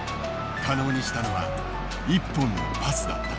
可能にしたのは１本のパスだった。